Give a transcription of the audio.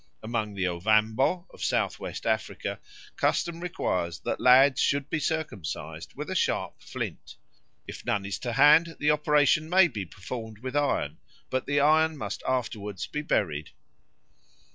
Among the Ovambo of South west Africa custom requires that lads should be circumcised with a sharp flint; if none is to hand, the operation may be performed with iron, but the iron must afterwards be buried.